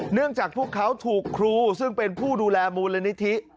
จากพวกเขาถูกครูซึ่งเป็นผู้ดูแลมูลนิธิ